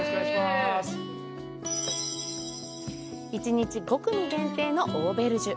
１日５組限定のオーベルジュ。